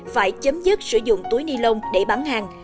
phải chấm dứt sử dụng túi ni lông để bán hàng